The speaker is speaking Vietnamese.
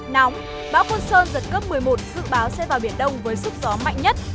nóng bão sơn giật cấp một mươi một dự báo sẽ vào biển đông với sức gió mạnh nhất